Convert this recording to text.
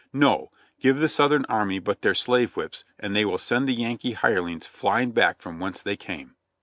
"No ! Give the Southern army but their slave whips, and they will send the Yankee hirelings flying back from whence they came."